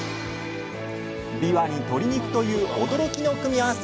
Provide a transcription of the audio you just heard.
びわに鶏肉という驚きの組み合わせ！